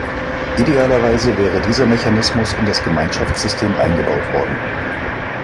Idealerweise wäre dieser Mechanismus in das Gemeinschaftssystem eingebaut worden.